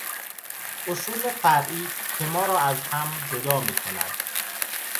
اصول فرعی که ما را از هم جدا میکند